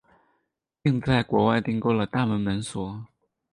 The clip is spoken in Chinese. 并在国外订购了大门门锁。